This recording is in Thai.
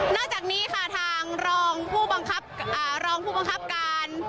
จากนี้ค่ะทางรองผู้บังคับรองผู้บังคับการ